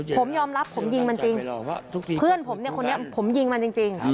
ผมยอมรับผมยิงมันจริงเพื่อนผมเนี่ยคนนี้ผมยิงมันจริง